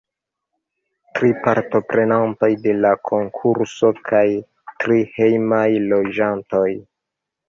Tri partoprenantoj de la konkurso kaj tri hejmaj loĝantoj.